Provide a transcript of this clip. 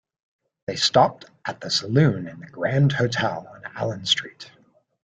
They stopped at the saloon in the Grand Hotel on Allen Street.